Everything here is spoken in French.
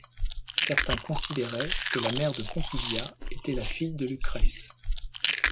Certains considéraient que la mère de Pompilia était la fille de Lucrèce.